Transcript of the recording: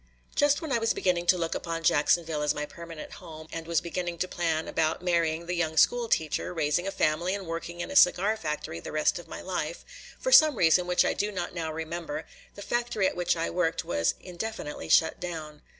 Just when I was beginning to look upon Jacksonville as my permanent home and was beginning to plan about marrying the young school teacher, raising a family, and working in a cigar factory the rest of my life, for some reason, which I do not now remember, the factory at which I worked was indefinitely shut down.